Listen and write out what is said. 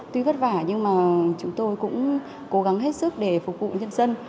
tuy vất vả nhưng mà chúng tôi cũng cố gắng hết sức để phục vụ nhân dân